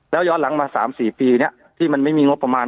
แล้วย้อนหลังมา๓๔ปีที่มันไม่มีงบประมาณ